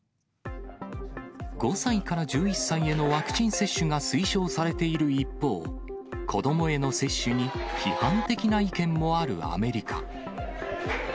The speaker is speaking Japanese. ５歳から１１歳へのワクチン接種が推奨されている一方、子どもへの接種に批判的な意見もあるアメリカ。